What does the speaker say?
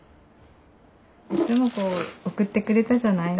いつも送ってくれたじゃない。